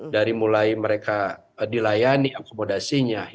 dari mulai mereka dilayani akomodasinya